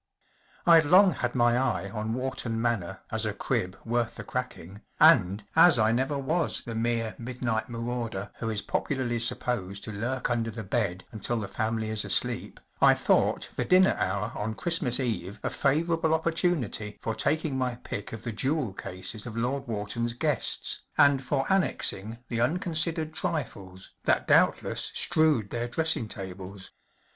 Fd long had my eye on Wharton Manor as a crib worth the cracking, and, as I never was the mere midnight marauder who is popularly supposed to lurk under the bed until the family is asleep, I thought the dinner hour on Christmas Eve a favourable opportunity for taking my pick of the jewel cases of Lord Wharton’s guests, and for annexing the unconsidered trifles that doubt¬ less strewed their dressing tables.